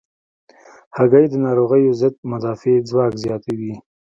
هګۍ د ناروغیو ضد مدافع ځواک زیاتوي.